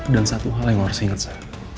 dan satu hal yang harus diingat sa